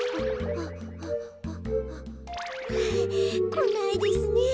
こないですねえ。